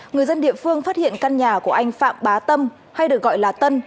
người dân địa phương phát hiện căn nhà của anh phạm bá tâm hay được gọi là tân